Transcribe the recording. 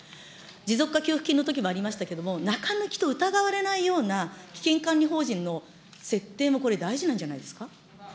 持続化給付金のときもありましたけれども、中抜きと疑われないようなの設定もこれ、大事なんじゃないですか。